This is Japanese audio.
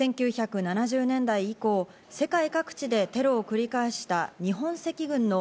１９７０年代以降、世界各地でテロを繰り返した日本赤軍の